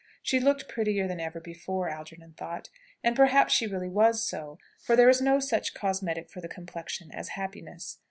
She looked prettier than ever before, Algernon thought. And perhaps she really was so; for there is no such cosmetic for the complexion as happiness.